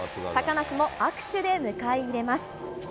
高梨も握手で迎え入れます。